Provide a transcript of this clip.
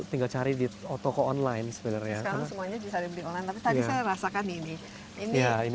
tinggal cari di toko online sebenarnya sekarang semuanya bisa dibeli online tapi tadi saya rasakan ini